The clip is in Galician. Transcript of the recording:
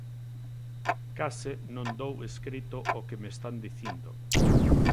Case non dou escrito o que me están dicindo.